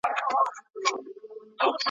د واده لګښتونه کم کړئ.